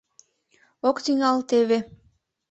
Ок тӱҥал теве.